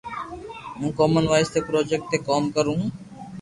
ھون ڪومن وائس تو پروجيڪٽ تي ڪوم ڪرو ھون